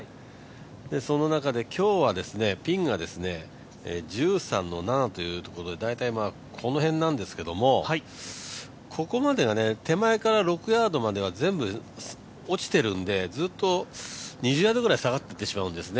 その中で今日はピンが１３の７というところで、大体この辺なんですけど、ここまでが手前から６ヤードまでは全部落ちているんでずっと２０ヤードぐらい下がっていってしまうんですね。